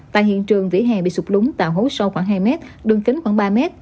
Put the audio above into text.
tại hiện trường vỉa hè bị sụp lúng tạo hố sâu khoảng hai mét đường kính khoảng ba mét